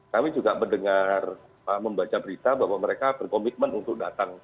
kami juga mendengar membaca berita bahwa mereka berkomitmen untuk datang